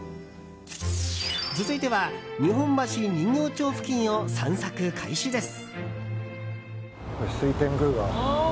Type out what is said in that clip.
続いては日本橋人形町付近を散策開始です。